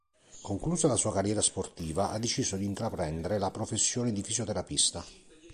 Conclusa la sua carriera sportiva ha deciso di intraprendere la professione di fisioterapista.